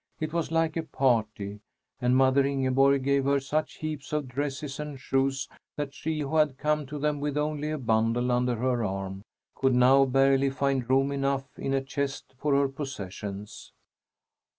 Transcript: It was like a party, and mother Ingeborg gave her such heaps of dresses and shoes that she, who had come to them with only a bundle under her arm, could now barely find room enough in a chest for her possessions.